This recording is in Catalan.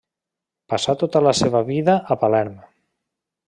Passà tota la seva vida a Palerm.